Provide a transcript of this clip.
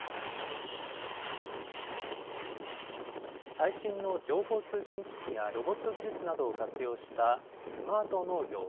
最新の情報通信機器やロボット技術などを活用したスマート農業。